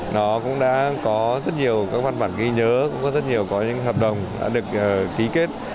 nó cũng đã có rất nhiều các văn bản ghi nhớ cũng có rất nhiều có những hợp đồng đã được ký kết